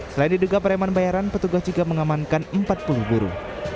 selain diduga pereman bayaran petugas juga mengamankan empat puluh buruh